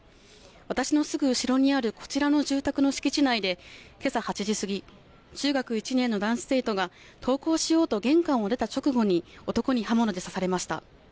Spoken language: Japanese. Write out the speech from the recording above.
私のすぐ後ろにあるこちらの住宅の敷地内でけさ８時過ぎ、中学１年の男子生徒が登校しようと玄関を出た直後に男に刃物で刺されました。